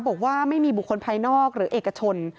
บอกว่าไม่มีบุคคลภายนอกหรือเอกชน